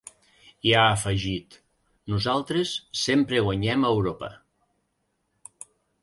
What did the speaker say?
I ha afegit: “Nosaltres sempre guanyem a Europa”.